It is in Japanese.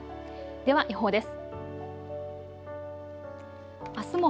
では予報です。